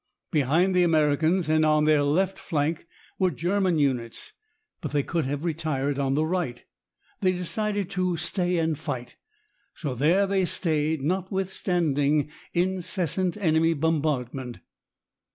Behind the Americans and on their left flank were German units, but they could have retired on the right. They decided to stay and fight, so there they stayed, notwithstanding incessant enemy bombardment.